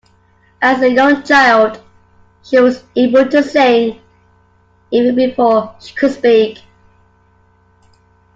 As a young child she was able to sing even before she could speak